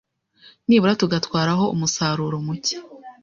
nibura tugatwaraho umusaruro muke